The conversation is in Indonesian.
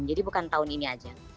jadi bukan tahun ini aja